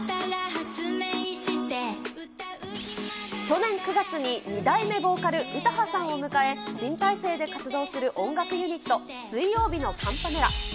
去年９月に２代目ボーカル、詩羽さんを迎え、新体制で活動する音楽ユニット、水曜日のカンパネラ。